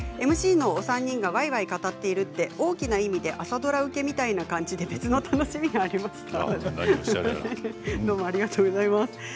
ＭＣのお三人がわいわい語っているって、大きな意味で朝ドラ受けみたいな感じで別の楽しみがありましたとどうもありがとうございます。